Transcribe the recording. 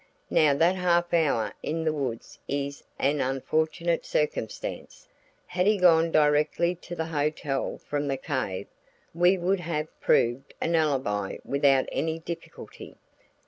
Now that half hour in the woods is an unfortunate circumstance. Had he gone directly to the hotel from the cave, we could have proved an alibi without any difficulty.